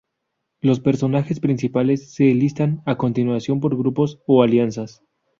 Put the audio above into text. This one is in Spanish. Los personajes principales se listan a continuación por grupos o alianzas.